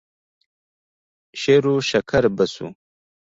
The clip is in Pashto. شېروشکر به شو.